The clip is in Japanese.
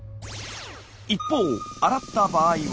一方洗った場合は。